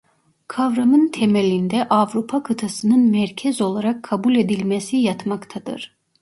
Kavramın temelinde Avrupa kıtasının merkez olarak kabul edilmesi yatmaktadır.